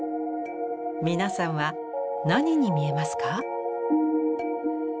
皆さんは何に見えますか？